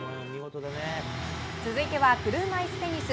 続いては車いすテニス。